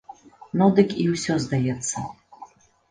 Ну дык і ўсё, здаецца.